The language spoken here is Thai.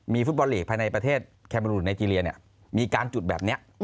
ฟุตบอลลีกภายในประเทศแคมรูนไนเจรียมีการจุดแบบนี้